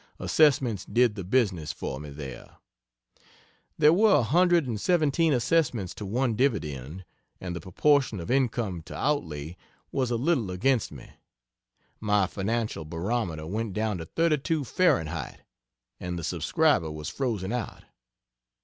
Assessments did the business for me there. There were a hundred and seventeen assessments to one dividend, and the proportion of income to outlay was a little against me. My financial barometer went down to 32 Fahrenheit, and the subscriber was frozen out.